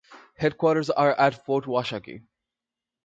Headquarters are at Fort Washakie.